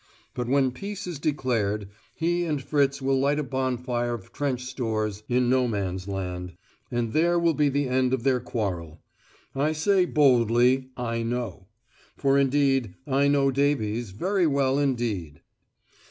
But when peace is declared, he and Fritz will light a bonfire of trench stores in No Man's Land, and there will be the end of their quarrel. I say boldly, I know. For indeed I know Davies very well indeed.